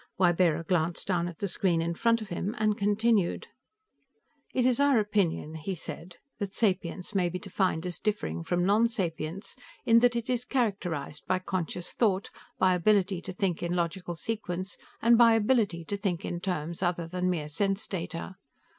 Ybarra glanced down at the screen in front of him and continued: "It is our opinion," he said, "that sapience may be defined as differing from nonsapience in that it is characterized by conscious thought, by ability to think in logical sequence and by ability to think in terms other than mere sense data.